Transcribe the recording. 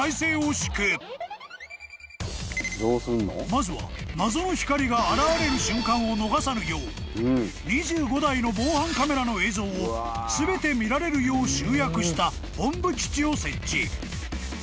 ［まずは謎の光が現れる瞬間を逃さぬよう２５台の防犯カメラの映像を全て見られるよう集約した本部基地を設置］